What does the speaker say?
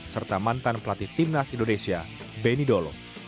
serta mantan pelatih timnas indonesia benny dolo